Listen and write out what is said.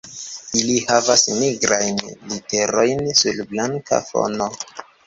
Ili havas nigrajn literojn sur blanka fono.